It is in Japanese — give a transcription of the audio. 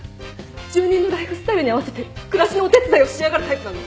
住人のライフスタイルに合わせて暮らしのお手伝いをしやがるタイプなの？